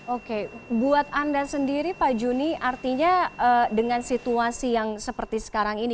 oke buat anda sendiri pak juni artinya dengan situasi yang seperti sekarang ini